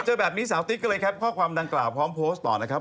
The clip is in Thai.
เจอแบบนี้สาวติ๊กก็เลยแคปข้อความดังกล่าวพร้อมโพสต์ต่อนะครับ